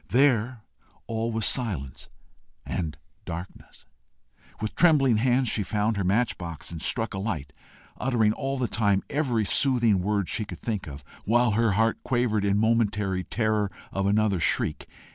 There all was silence and darkness. With trembling hands she found her match box and struck a light, uttering all the time every soothing word she could think of, while her heart quavered in momentary terror of another shriek.